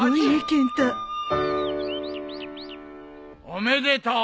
おめでとう。